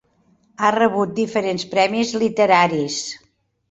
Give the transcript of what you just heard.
Ha rebut diferents premis literaris.